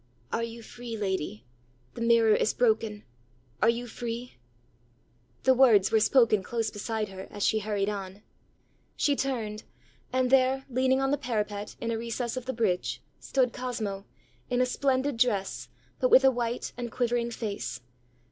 ãAre you free, lady? The mirror is broken: are you free?ã The words were spoken close beside her, as she hurried on. She turned; and there, leaning on the parapet in a recess of the bridge, stood Cosmo, in a splendid dress, but with a white and quivering face.